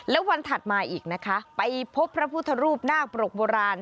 แล้ววันถัดมาอีกนะคะไปพบพระพุทธรูปนาคปรกโบราณ